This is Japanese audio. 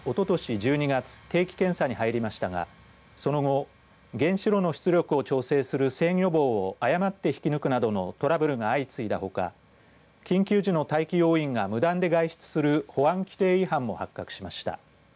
１２月定期検査に入りましたが、その後原子炉の出力を調整する制御棒を誤って引き抜くなどのトラブルが相次いだほか緊急時の待機要員が無断で外出する保安規定違反も発覚しました。